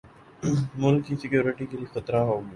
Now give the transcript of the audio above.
ملک کی سیکیورٹی کے لیے خطرہ ہوگی